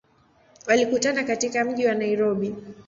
Walikutana katika mji wa Nairobi.